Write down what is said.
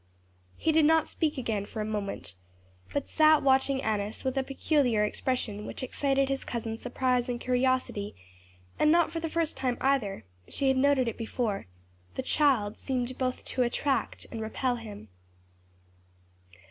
He did not speak again for a moment, but sat watching Annis with a peculiar expression which excited his cousin's surprise and curiosity and not for the first time either; she had noted it before; the child seemed to both attract and repel him.